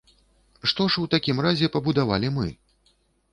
Што ж у такім разе пабудавалі мы?